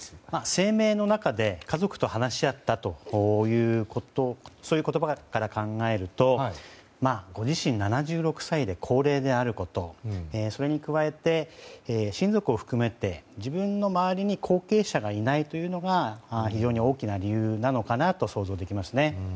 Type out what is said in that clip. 声明の中で家族と話し合ったという言葉から考えるとご自身が７６歳で高齢であることそれに加えて親族を含めて自分の周りに後継者がいないというのが非常に大きな理由かと想像できます。